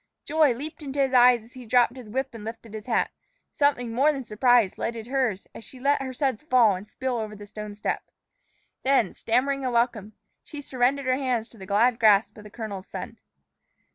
Joy leaped into his eyes as he dropped his whip and lifted his hat; something more than surprise lighted hers as she let her suds fall and spill over the stone step. Then, stammering a welcome, she surrendered her hands to the glad grasp of the colonel's son.